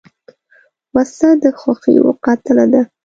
وسله د خوښیو قاتله ده